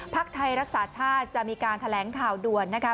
ไทยรักษาชาติจะมีการแถลงข่าวด่วนนะคะ